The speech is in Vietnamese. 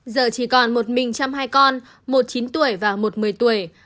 giờ chỉ còn một mình trăm hai con một chín tuổi và một mười tuổi